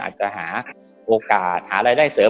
อาจจะหาโอกาสหารายได้เสริม